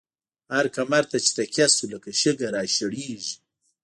هر کمر ته چی تکيه شو، لکه شګه را شړيږی